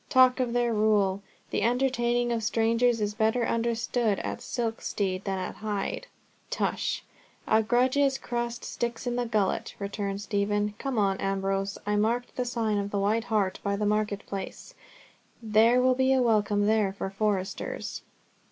"Talk of their rule! The entertaining of strangers is better understood at Silkstede than at Hyde." "Tush! A grudged crust sticks in the gullet," returned Stephen. "Come on, Ambrose, I marked the sign of the White Hart by the market place. There will be a welcome there for foresters."